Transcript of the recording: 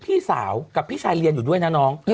พี่สาวกับพี่ชายเรียนอยู่ด้วยนะน้อง